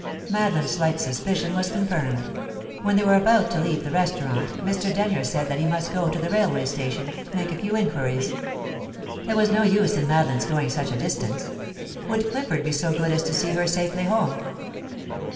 Madeline's slight suspicion was confirmed. When they were about to leave the restaurant, Mr. Denyer said that he must go to the railway station, to make a few inquiries. There was no use in Madeline's going such a distance; would Clifford be so good as to see her safely home?